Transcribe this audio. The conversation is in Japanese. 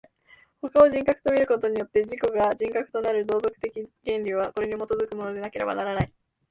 他を人格と見ることによって自己が人格となるという道徳的原理は、これに基づくものでなければならない。